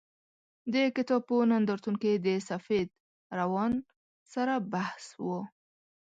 د کتاب په نندارتون کې د سفید روان سره بحث و.